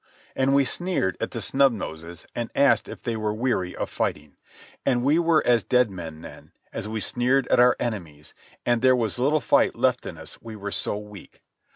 And we sneered at the Snub Noses and asked if they were weary of fighting. And we were as dead men then, as we sneered at our enemies, and there was little fight left in us we were so weak.